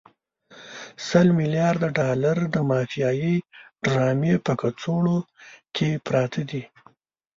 سل ملیارده ډالر د مافیایي ډرامې په کڅوړو کې پراته دي.